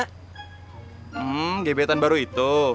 hmm gebetan baru itu